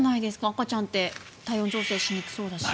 赤ちゃんって体温調整しにくそうだし。